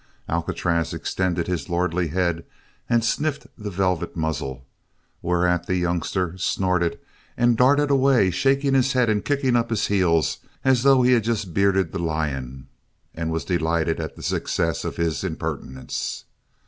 Alcatraz extended his lordly head and sniffed the velvet muzzle, whereat the youngster snorted and darted away shaking his head and kicking up his heels as though he had just bearded the lion and was delighted at the success of his impertinence.